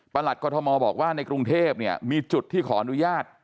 ประหลัดกฐมอบอกว่าในกรุงเทพฯมีจุดที่ขออนุญาต